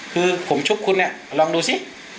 คือผมชุกคุณเนี่ยลองดูสิ